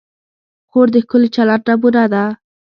خور د ښکلي چلند نمونه ده.